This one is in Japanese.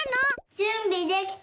じゅんびできた。